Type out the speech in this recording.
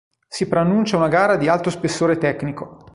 Si preannuncia una gara di alto spessore tecnico.